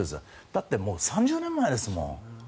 だってもう３０年も前ですもん。